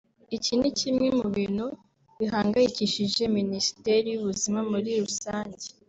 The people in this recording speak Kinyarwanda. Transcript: iki ni kimwe mu bintu bihangayikishije Minisiteri y’ubuzima muri rusange